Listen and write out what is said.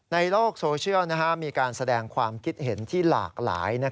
ในโลกโซเชียลมีการแสดงความคิดเห็นที่หลากหลาย